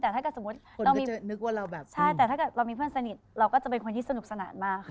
แต่ถ้าเกิดเรามีเพื่อนสนิทเราก็จะเป็นคนที่สนุกสนานมาก